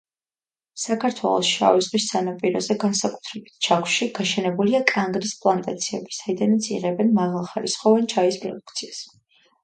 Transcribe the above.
საქართველოს შავი ზღვის სანაპიროზე, განსაკუთრებით ჩაქვში, გაშენებულია კანგრის პლანტაციები, საიდანაც იღებენ მაღალხარისხოვან ჩაის პროდუქციას.